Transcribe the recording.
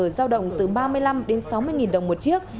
giao động từ ba mươi năm đến sáu mươi đồng một chiếc